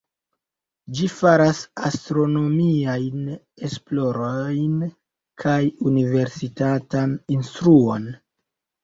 Ĝi faras astronomiajn esplorojn kaj universitatan instruon.